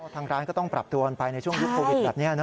ทางร้านก็ต้องปรับตัวกันไปในช่วงยุคโควิดแบบนี้